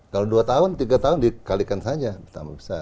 kalau dua tahun tiga tahun dikalikan saja